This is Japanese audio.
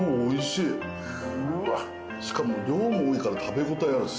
しかも量も多いから食べ応えある。